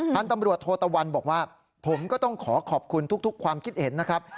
ท่านตำรวจโทตะวันบอกว่าผมก็ต้องขอขอบคุณทุกความคิดเห็นนะครับ